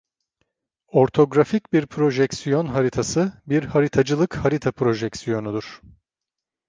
Ortografik bir projeksiyon haritası, bir haritacılık harita projeksiyonudur.